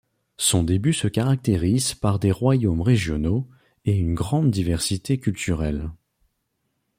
Son début se caractérise par des royaumes régionaux et une grande diversité culturelle.